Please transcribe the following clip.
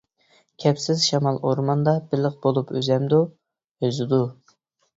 كەپسىز شامال ئورماندا، بېلىق بولۇپ ئۈزەمدۇ؟ -ئۈزىدۇ.